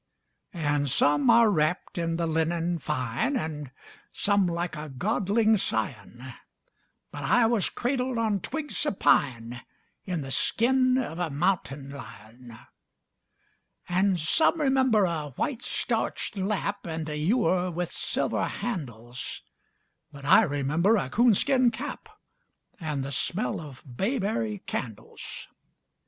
And some are wrapped in the linen fine, And some like a godling's scion; But I was cradled on twigs of pine In the skin of a mountain lion. And some remember a white, starched lap And a ewer with silver handles; But I remember a coonskin cap And the smell of bayberry candles.